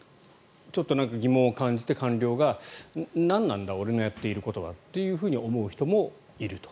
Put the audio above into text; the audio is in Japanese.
ちょっと疑問を感じて官僚が何なんだ俺のやっていることはと思う人もいると。